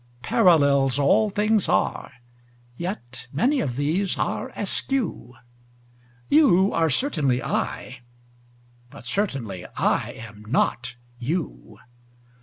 Parallels all things are: yet many of these are askew: You are certainly I: but certainly I am not you.